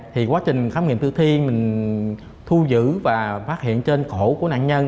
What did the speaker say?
thì quá trình khám nghiệm tử thi mình thu giữ và phát hiện trên cổ của nạn nhân